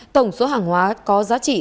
tổng số hàng hóa có giá trị